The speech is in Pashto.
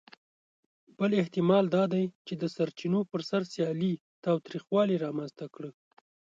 بل احتمال دا دی، چې د سرچینو پر سر سیالي تاوتریخوالي رامنځ ته کړه.